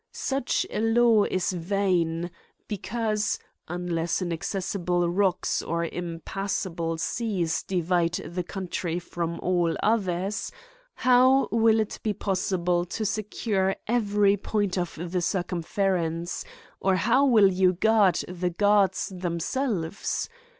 Such a law is vain ; because, unless inaccessible rocks or impassible 124 AN ESSAY ON seas divide the country from all others, how will it be possible to secure every point of the circum ference, or how will you guard the guards them selves